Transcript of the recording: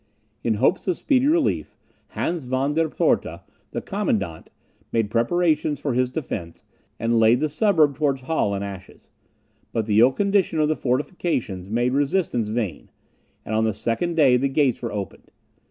In hopes of speedy relief, Hans Von der Pforta, the commandant, made preparations for his defence, and laid the suburb towards Halle in ashes. But the ill condition of the fortifications made resistance vain, and on the second day the gates were opened.